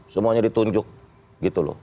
semuanya ditunjuk gitu loh